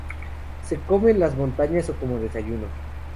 Se come en las mañanas o como desayuno.